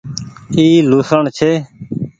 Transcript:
اي لهوسڻ ڇي۔